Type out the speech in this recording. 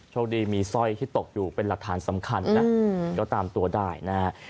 โชคดีมีสร้อยที่ตกอยู่เป็นหลักฐานสำคัญนะก็ตามตัวได้นะฮะ